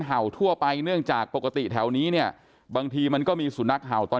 เห่าทั่วไปเนื่องจากปกติแถวนี้เนี่ยบางทีมันก็มีสุนัขเห่าตอน